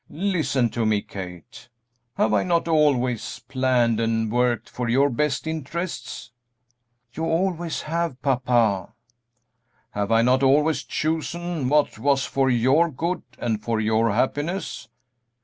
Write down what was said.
Listen to me, Kate: have I not always planned and worked for your best interests?" "You always have, papa." "Have I not always chosen what was for your good and for your happiness?"